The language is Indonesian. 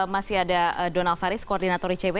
masih ada donald faris koordinator icw